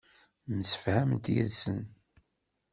Msefhament yid-sen.